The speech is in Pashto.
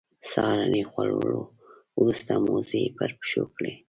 سهارنۍ خوړلو وروسته موزې پر پښو کړې.